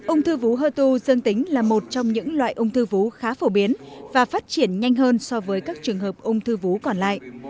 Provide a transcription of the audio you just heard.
ung thư vú hơ tu dương tính là một trong những loại ung thư vú khá phổ biến và phát triển nhanh hơn so với các trường hợp ung thư vú còn lại